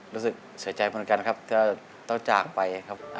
รู้สึกเสียใจเหมือนกันครับก็ต้องจากไปครับ